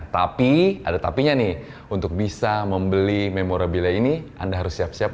tapi ada tapinya nih untuk bisa membeli memorabile ini anda harus siap siap